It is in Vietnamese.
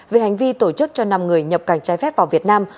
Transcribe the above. về hành vi tổ chức cho năm người nhập cảnh trái phép vào việt nam